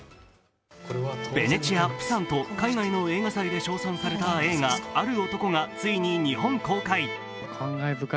ベネチア、プサンと海外の映画祭で絶賛された映画「ある男」がついに日本公開。